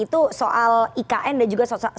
itu soal ikn dan juga sosial media